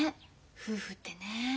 夫婦ってね。